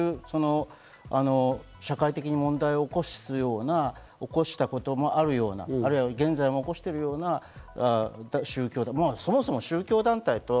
社会的に問題を起こすような、起こしたこともあるような、あるいは、現在も起こしているような宗教団体。